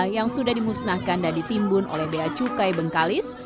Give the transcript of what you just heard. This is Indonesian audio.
yang sudah dimusnahkan dan ditimbun oleh bea cukai bengkalis